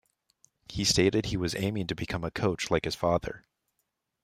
He stated he was aiming to become a coach like his father.